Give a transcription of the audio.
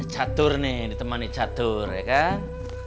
catur nih ditemani catur ya kan